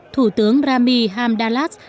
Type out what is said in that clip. thủ tướng rami hamdallah